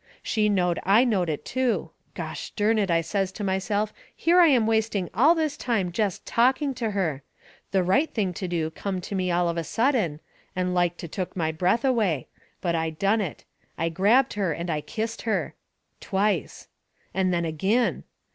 She knowed I knowed it, too. Gosh dern it, I says to myself, here I am wasting all this time jest TALKING to her. The right thing to do come to me all of a sudden, and like to took my breath away. But I done it. I grabbed her and I kissed her. Twice. And then agin.